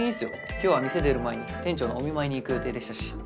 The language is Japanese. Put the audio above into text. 今日は店出る前に店長のお見舞いに行く予定でしたし。